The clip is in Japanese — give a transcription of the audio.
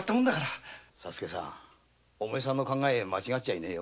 お前さんの考え間違っちゃいねえ